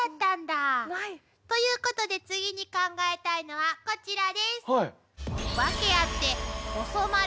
ということで次に考えたいのはこちらです。